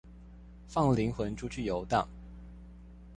放靈魂出去遊蕩